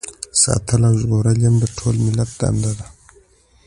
ساتل او ژغورل یې هم د ټول ملت دنده ده.